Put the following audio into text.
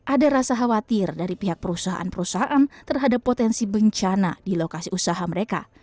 ada rasa khawatir dari pihak perusahaan perusahaan terhadap potensi bencana di lokasi usaha mereka